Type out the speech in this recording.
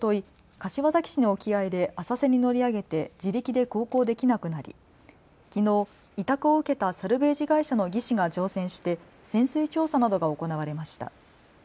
柏崎市の沖合で浅瀬に乗り上げて自力で航行できなくなりきのう、委託を受けたサルベージ会社の技師が乗船して潜水調査などが行われました。